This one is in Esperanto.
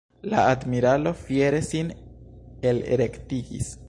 La admiralo fiere sin elrektigis.